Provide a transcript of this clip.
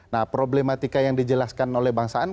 nah problematika yang dijelaskan oleh bangsaan